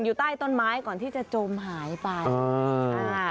อยู่ใต้ต้นไม้ก่อนที่จะจมหายไป